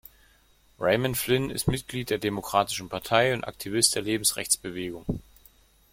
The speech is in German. Raymond Flynn ist Mitglied der Demokratischen Partei und Aktivist der Lebensrechtsbewegung.